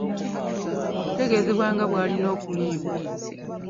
okutegeezebwa nga bw’alina okuliibwa